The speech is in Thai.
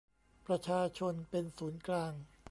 ประชาชนเป็นศูนย์กลาง